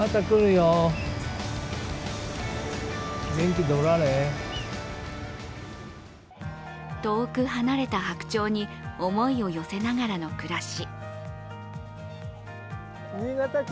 ついに遠く離れた白鳥に思いを寄せながらの暮らし。